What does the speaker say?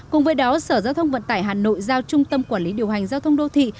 cùng với đó sở giao thông vận tải hà nội giao trung tâm quản lý điều hành giao thông đô thị